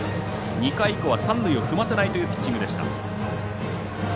２回以降は三塁を踏ませないというピッチングでした。